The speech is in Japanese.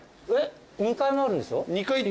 ２階もあるんでしょ？